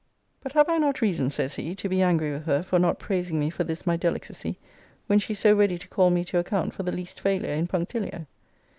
] But have I not reason, says he, to be angry with her for not praising me for this my delicacy, when she is so ready to call me to account for the least failure in punctilio?